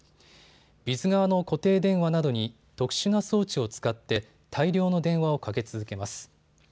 ＢＩＳ側の固定電話などに特殊な装置を使って大量の電話をかけ続けます。